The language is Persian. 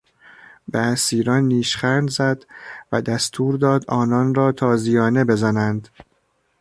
به اسیران نیشخند زد و دستور داد آنان را تازیانه بزنند.